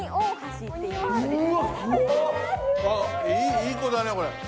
いい子だねこれ。